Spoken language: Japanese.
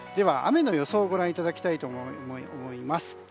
雨の予想をご覧いただきたいと思います。